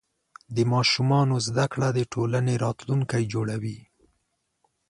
د ماشومانو زده کړه د ټولنې راتلونکی جوړوي.